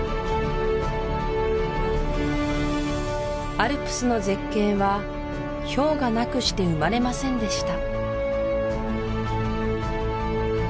アルプスの絶景は氷河なくして生まれませんでした